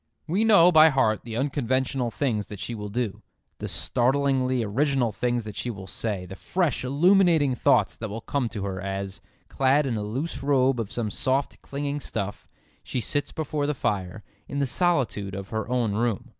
We know by heart the unconventional things that she will do, the startlingly original things that she will say, the fresh illuminating thoughts that will come to her as, clad in a loose robe of some soft clinging stuff, she sits before the fire, in the solitude of her own room.